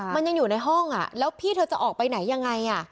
มันยังอยู่ในห้องแล้วพี่เธอจะออกไปไหนยังไง